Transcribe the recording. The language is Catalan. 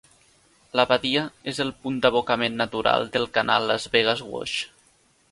La badia és el punt d'abocament natural del canal Las Vegas Wash.